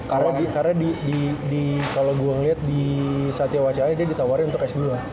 karena kalo gue liat di satya wacana dia ditawarin untuk sdu lah